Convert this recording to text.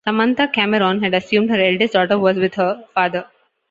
Samantha Cameron had assumed her eldest daughter was with her father.